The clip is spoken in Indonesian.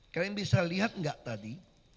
kalian bisa lihat nggak tadi